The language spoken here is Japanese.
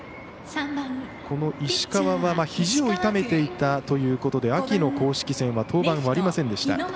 石川はひじを痛めていたということで秋の公式戦は登板はありませんでした。